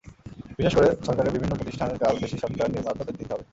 বিশেষ করে সরকারের বিভিন্ন প্রতিষ্ঠানের কাজ দেশি সফটওয়্যার নির্মাতাদের দিতে হবে।